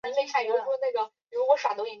蛛毛车前为车前科车前属下的一个种。